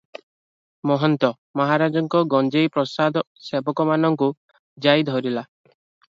ମହନ୍ତ ମହାରାଜଙ୍କ ଗଞ୍ଜେଇ ପ୍ରସାଦସେବକମାନଙ୍କୁ ଯାଇ ଧରିଲା ।